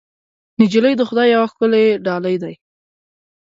نجلۍ د خدای یوه ښکلی ډالۍ ده.